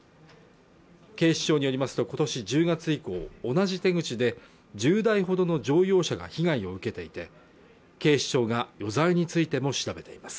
警視庁によりますとことし１０月以降同じ手口で１０台ほどの乗用車が被害を受けていて警視庁が余罪についても調べています